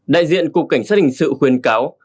đại diện cục cảnh sát hình sự khuyên cáo